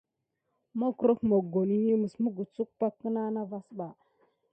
Mogroh mokoni mis migete suck kena nakum na wurare naban mokoni siga vasba.